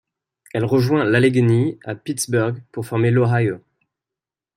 Elle rejoint l'Allegheny à Pittsburgh pour former l'Ohio.